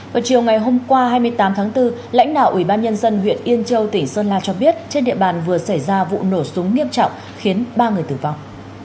vào chiều ngày hôm qua hai mươi tám tháng bốn lãnh đạo ủy ban nhân dân huyện yên châu tỉnh sơn la cho biết trên địa bàn vừa xảy ra vụ nổ súng nghiêm trọng khiến ba người tử vong